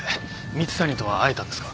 蜜谷とは会えたんですか？